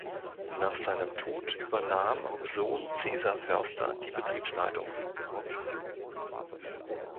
Nach seinem Tod übernahm Sohn Cäsar Förster die Betriebsleitung.